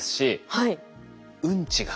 はい。